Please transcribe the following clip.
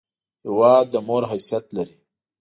هېواد د مور حیثیت لري!